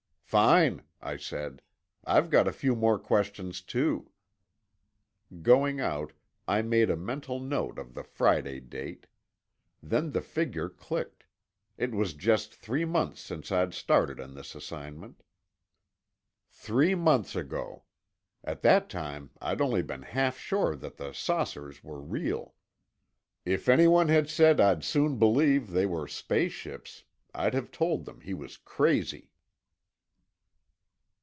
"Fine," I said. "I've got a few more questions, too." Going out, I made a mental note of the Friday date. Then the figure clicked; it was just three months since I'd started on this assignment. Three months ago. At that time I'd only been half sure that the saucers were real. If anyone had said I'd soon believe they were space ships, I'd have told him he was crazy.